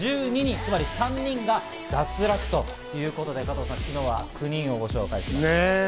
つまり３人が脱落ということで、昨日は９人をご紹介しました。